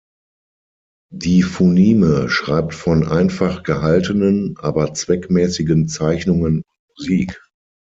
Die Funime schreibt von einfach gehaltenen, aber zweckmäßigen Zeichnungen und Musik.